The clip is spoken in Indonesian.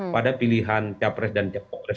pada pilihan capres dan capres